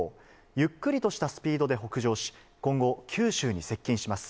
ゆっくりとしたスピードで北上し、今後、九州に接近します。